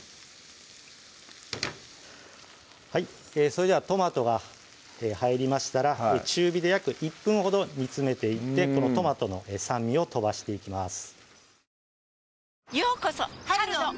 それではトマトが入りましたら中火で約１分ほど煮詰めていってこのトマトの酸味を飛ばしていきます